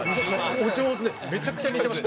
お上手です。